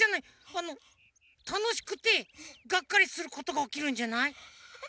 あのたのしくてガッカリすることがおきるんじゃない？